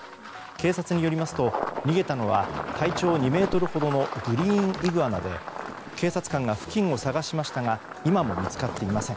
警察によりますと逃げたのは体長２ｍほどのグリーンイグアナで警察官が付近を捜しましたが今も見つかっていません。